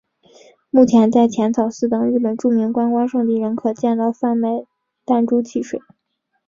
目前在浅草寺等日本著名观光胜地仍可见到贩卖弹珠汽水。